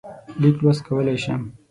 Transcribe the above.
لیک لوست کولای شم.